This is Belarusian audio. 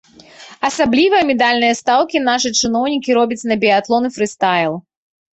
Асаблівыя медальныя стаўкі нашы чыноўнікі робяць на біятлон і фрыстайл.